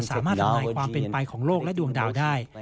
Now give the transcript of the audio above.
สามารถทำให้ความเป็นไปของโลกและดวงดาวได้